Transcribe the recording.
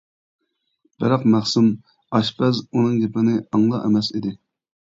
بىراق مەخسۇم ئاشپەز ئۇنىڭ گېپىنى ئاڭلا ئەمەس ئىدى.